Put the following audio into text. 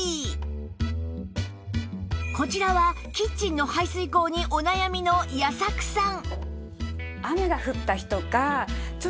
こちらはキッチンの排水口にお悩みの矢作さん